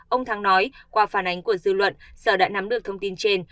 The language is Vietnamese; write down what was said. ông thắng nói qua phản ánh của dư luận sở đã nắm được thông tin trên